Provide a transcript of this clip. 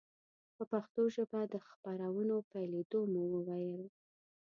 په پښتو ژبه د خپرونو پیلېدو مو وویل.